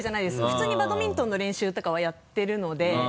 普通にバドミントンの練習とかはやってるので。